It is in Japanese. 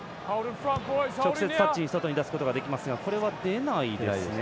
直接タッチの外に出すことができますがこれは出ないですね。